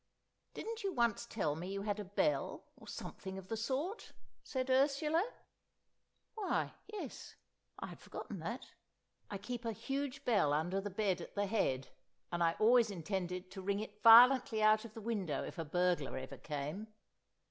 "Didn't you once tell me you had a bell, or something of the sort?" said Ursula. "Why, yes; I had forgotten that." I keep a huge bell under the bed at the head, and I always intended to ring it violently out of the window if a burglar ever came.